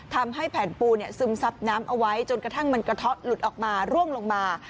ทำให้แผ่นปูซึมซับน้ำเอาไว้จนกระทั่งมันกระเทาะหลุดออกมาร่วงลงมา